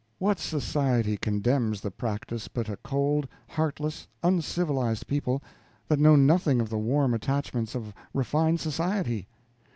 What society condemns the practice but a cold, heartless, uncivilized people that know nothing of the warm attachments of refined society?